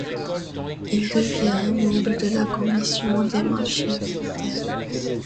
Il devient membre de la Commission des marchés militaires.